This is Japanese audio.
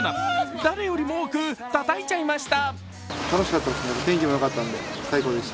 誰よりも多くたたいちゃいました。